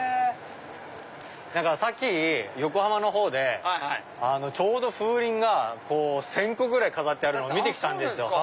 何かさっき横浜のほうで風鈴が１０００個ぐらい飾ってあるのを見て来たんですよ。